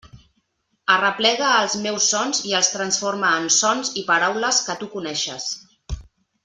Arreplega els meus sons i els transforma en sons i paraules que tu coneixes.